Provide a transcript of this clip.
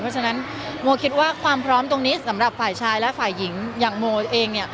เพราะฉะนั้นโมคิดว่าความพร้อมตรงนี้สำหรับฝ่ายชายและฝ่ายหญิงอย่างโมเองเนี่ย